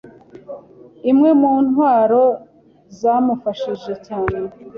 Imwe mu ntwaro zamufashije cyane